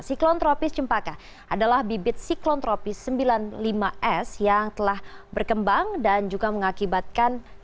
siklon tropis cempaka adalah bibit siklon tropis sembilan puluh lima s yang telah berkembang dan juga mengakibatkan